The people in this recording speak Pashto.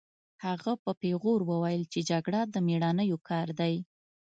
هغه په پیغور وویل چې جګړه د مېړنیو کار دی